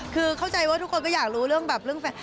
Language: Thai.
คือเข้าใจว่าทุกคนก็อยากรู้เรื่องแบบเรื่องแฟน